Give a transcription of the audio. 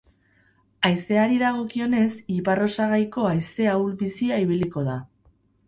Haizeari dagokionez, ipar-osagaiko haize ahul-bizia ibiliko da.